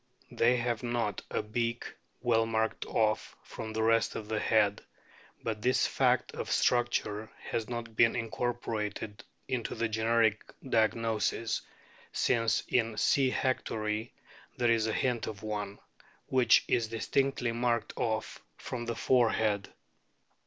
They have not a beak well marked off from the rest of the head ; but this fact of struc ture has not been incorporated into the generic diagnoses, since in C. hectori there is a hint of one, which is indistinctly marked off from the forehead.